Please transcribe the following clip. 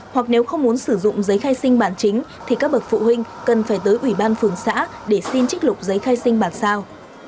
hoặc nếu không muốn sử dụng giấy khai sinh bản chính thì các bậc phụ huynh cần phải tới ủy ban phường xã để xin trích lục giấy khai sinh bản sao